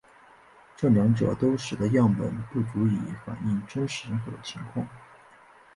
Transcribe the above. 这两者都使得样本不足以反映真实人口的情况。